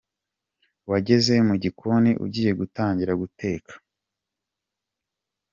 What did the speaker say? Wageze mu gikoni ugiye gutangira guteka.